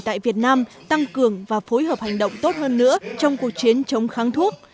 tại việt nam tăng cường và phối hợp hành động tốt hơn nữa trong cuộc chiến chống kháng thuốc